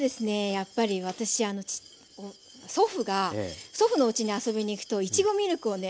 やっぱり私あの祖父が祖父のうちに遊びに行くといちごミルクをね